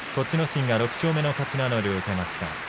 心が６勝目の勝ち名乗りを上げました。